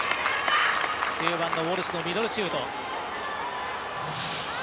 中盤のウォルシュのミドルシュート。